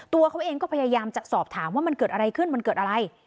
ตัวเขาเองก็พยายามจะสอบถามว่ามันเกิดอะไรขึ้นมันเกิดอะไร